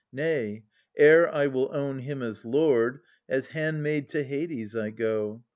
Nay, ere I will own him as lord, as handmaid to Hades I go!